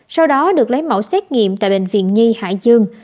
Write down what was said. sau đó được lấy mẫu xét nghiệm tại bệnh viện nhi hải dương